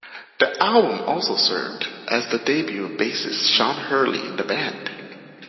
The album also served as the debut of bassist Sean Hurley in the band.